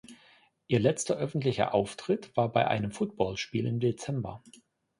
Ihr letzter öffentlicher Auftritt war bei einem Football-Spiel im Dezember.